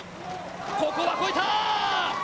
ここは超えた。